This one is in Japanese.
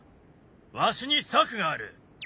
わしに策がある。